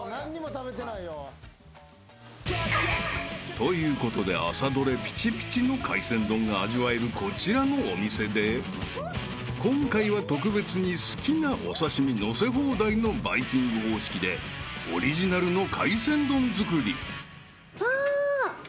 ［ということで朝どれピチピチの海鮮丼が味わえるこちらのお店で今回は特別に好きなお刺し身のせ放題のバイキング方式でオリジナルの海鮮丼作り］わ。